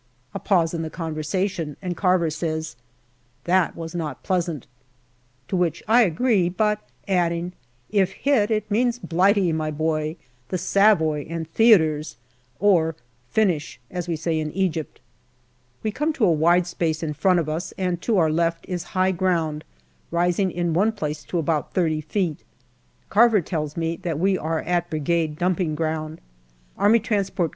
A pause in the conversa tion, and Carver says, " That was not pleasant/' to which I agree, but adding, " If hit, it means Blighty, my boy, the Savoy, and theatres, or ' Finish/ as we say in Egypt." We come to a wide space in front of us, and to our left is high ground, rising in one place to about 30 feet. Carver tells me that we are at Brigade dumping ground. A.T.